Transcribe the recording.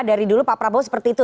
dari dulu pak prabowo seperti itu